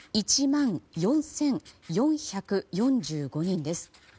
１万４４４５人です。